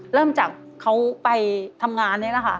เริ่มจากเขาไปทำงานนี่แหละค่ะ